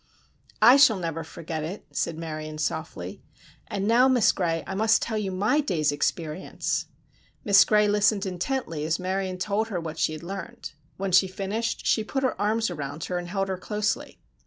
"I shall never forget it," said Marion, softly. "And now, Miss Gray, I must tell you my day's experience." Miss Gray listened intently as Marion told her what she had learned. When she finished she put her arms around her and held her closely.